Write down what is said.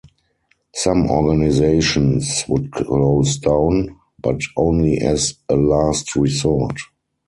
Some organizations would close down, but only as a last resort.